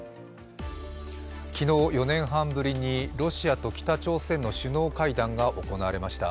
昨日４年半ぶりにロシアと北朝鮮の首脳会談が行われました。